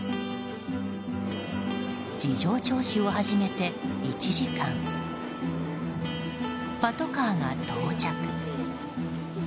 事情聴取を始めて１時間パトカーが到着。